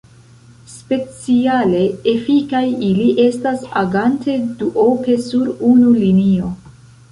Speciale efikaj ili estas agante duope sur unu linio.